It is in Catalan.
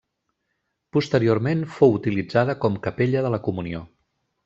Posteriorment fou utilitzada com capella de la Comunió.